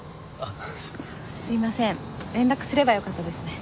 すいません連絡すればよかったですね。